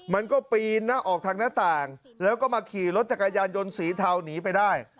มันก็ปีนหน้าออกทางหน้าต่างแล้วก็มาขี่รถจักรยานยนต์สีเทาหนีไปได้